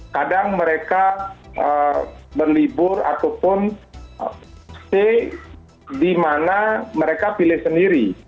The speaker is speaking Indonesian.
kadang mereka berlibur ataupun stay di mana mereka pilih sendiri